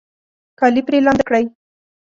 کالي پرې لامده کړئ